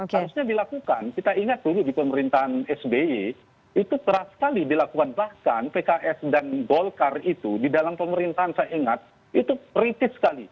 harusnya dilakukan kita ingat dulu di pemerintahan sby itu keras sekali dilakukan bahkan pks dan golkar itu di dalam pemerintahan saya ingat itu kritis sekali